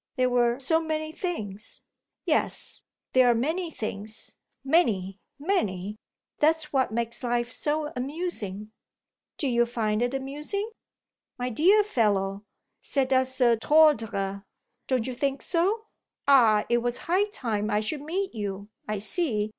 There were so many things." "Yes, there are many things many, many: that's what makes life so amusing." "Do you find it amusing?" "My dear fellow, c'est à se tordre. Don't you think so? Ah it was high time I should meet you I see.